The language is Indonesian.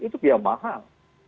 itu biaya mahal